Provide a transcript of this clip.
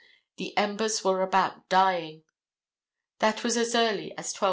The embers were about dying." That was as early as 12:30.